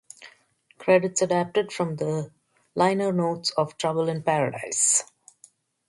Credits adapted from the liner notes of "Trouble in Paradise".